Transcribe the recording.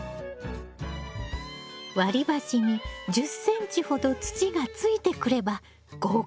割り箸に１０ｃｍほど土がついてくれば合格よ。